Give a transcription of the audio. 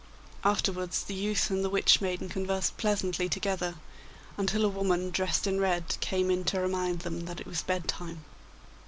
Afterwards the youth and the Witch maiden conversed pleasantly together, until a woman, dressed in red, came in to remind them that it was bedtime.